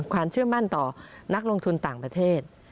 ความเชื่อมั่นต่อนักลงทุนต่างประเทศ